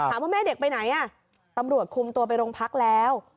ถามว่าแม่เด็กไปไหนตำรวจคุมตัวไปโรงพักแล้ว